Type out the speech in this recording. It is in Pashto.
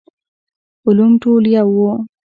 علوم ټول يو وو.